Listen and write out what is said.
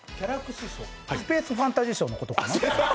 スペースファンタジー賞のことかな？